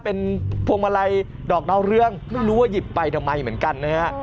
เป็นพวงมาลัยดอกดาวเรืองไม่รู้ว่าหยิบไปทำไมเหมือนกันนะฮะ